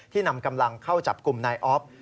นำกำลังเข้าจับกลุ่มนายอ๊อฟ